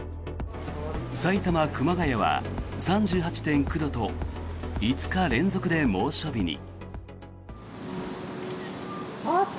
埼玉・熊谷は３８．９度と５日連続で猛暑日に。